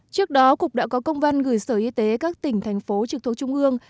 trước đó cục đã có công văn gửi sở y tế các tỉnh thành phố trực thuộc trung ương